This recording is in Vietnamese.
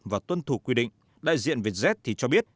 và tuân thủ quy định đại diện vietjet thì cho biết